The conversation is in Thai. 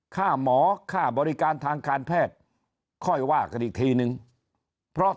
ค่าหมอค่าบริการทางการแพทย์ค่อยว่ากันอีกทีนึงเพราะ